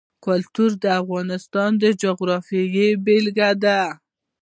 کلتور د افغانستان د جغرافیې بېلګه ده.